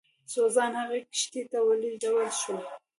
سوزانا هغې کښتۍ ته ولېږدول شوه.